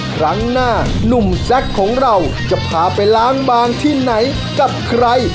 ครั้งหน้านุ่มแซคของเราจะพาไปล้างบางที่ไหนกับใคร